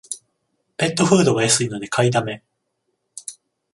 ペットフードが安いので買いだめ